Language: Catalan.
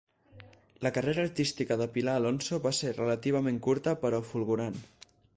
La carrera artística de Pilar Alonso va ser relativament curta però fulgurant.